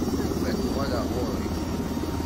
Anef ad d-uɣaleɣ ɣur-k.